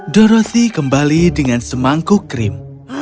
dorothy kembali dengan semangkuk krim